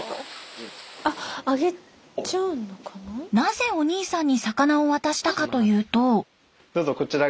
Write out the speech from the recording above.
なぜお兄さんに魚を渡したかというと。